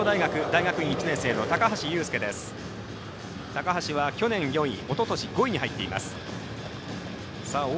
高橋佑輔は、去年４位おととし５位に入っています。